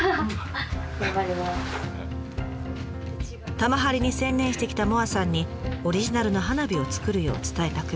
玉貼りに専念してきた萌彩さんにオリジナルの花火を作るよう伝えた久米川さん。